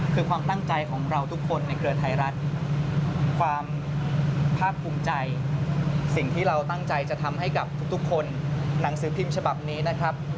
คือความตั้งใจของเราทุกคนในเครือไทยรัฐความภาคภูมิใจสิ่งที่เราตั้งใจจะทำให้กับทุกคนหนังสือพิมพ์ฉบับนี้นะครับ